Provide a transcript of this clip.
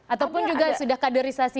ataupun juga sudah kaderisasi